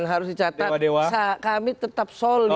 dan harus dicatat kami tetap solid